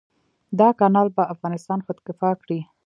دا کانال به افغانستان خودکفا کړي.